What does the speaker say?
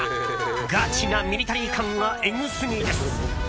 ガチなミリタリー感がえぐすぎです。